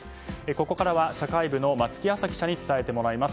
ここからは社会部の松木麻記者に伝えてもらいます。